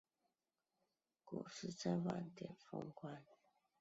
股市在万点封关